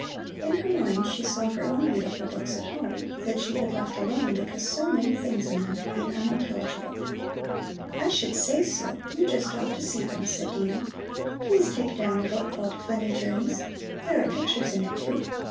In her mind she saw her own beautiful books at home, that she had left alone because so many things in them had been unintelligible. "I should say so! You just ought to see them," said Dino. "Please take down the book called 'Funny Journeys.' There are pictures in it, too.